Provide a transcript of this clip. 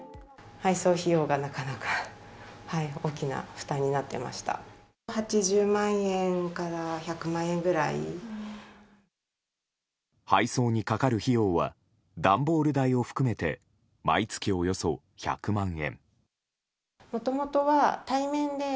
配送にかかる費用は段ボール代を含めて毎月およそ１００万円。